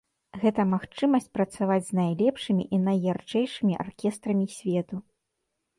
Гэта магчымасць працаваць з найлепшымі і найярчэйшымі аркестрамі свету.